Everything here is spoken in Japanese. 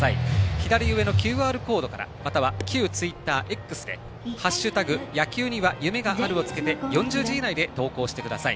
左上のＱＲコードからまたは旧ツイッターＸで「＃野球には夢がある」をつけて４０字以内で投稿してください。